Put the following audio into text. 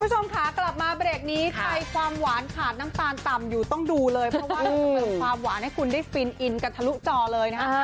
คุณผู้ชมค่ะกลับมาเบรกนี้ใครความหวานขาดน้ำตาลต่ำอยู่ต้องดูเลยเพราะว่าเราจะเพิ่มความหวานให้คุณได้ฟินอินกันทะลุจอเลยนะฮะ